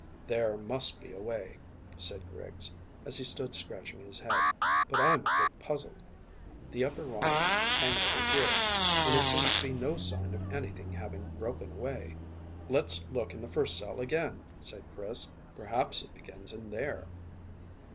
"There must be a way," said Griggs, as he stood scratching his head, "but I'm a bit puzzled. The upper rocks hang over here, and there seems to be no sign of anything having broken away." "Let's look in the first cell again," said Chris; "perhaps it begins in there."